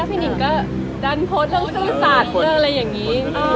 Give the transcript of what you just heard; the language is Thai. และพี่นิ่งก็ดันโพสต์เรื่องธุรกิจพฤษฐรรซ์อะไรอย่างนี้